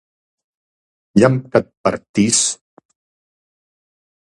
Llamp que et partís!